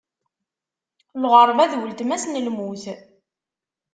Lɣeṛba d ultma-s n lmut.